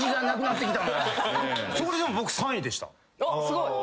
すごい。